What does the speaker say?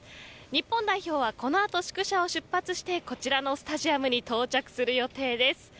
日本代表はこのあと宿舎を出発してこちらのスタジアムに到着する予定です。